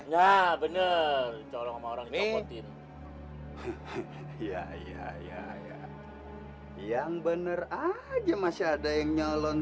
bener bener orang orang ini ya ya ya yang bener aja masih ada yang nyolong